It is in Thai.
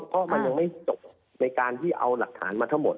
เพราะมันยังไม่จบในการที่เอาหลักฐานมาทั้งหมด